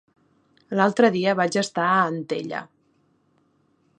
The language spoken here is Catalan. L'altre dia vaig estar a Antella.